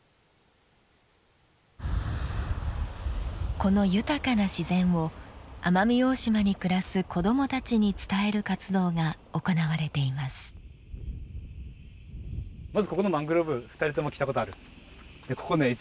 この豊かな自然を奄美大島に暮らす子どもたちに伝える活動が行われています。